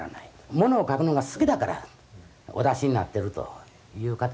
ものを書くのが好きだからお出しになってるという方が非常に少ない。